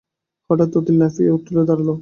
হঠাৎ অতীন লাফিয়ে উঠে দাঁড়াল।